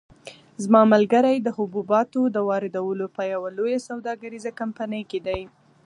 زما ملګری د حبوباتو د واردولو په یوه لویه سوداګریزه کمپنۍ کې دی.